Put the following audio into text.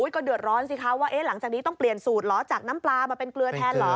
ก็เดือดร้อนสิคะว่าหลังจากนี้ต้องเปลี่ยนสูตรเหรอจากน้ำปลามาเป็นเกลือแทนเหรอ